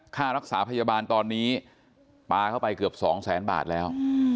ค่ารักษาพยาบาลตอนนี้ปลาเข้าไปเกือบสองแสนบาทแล้ว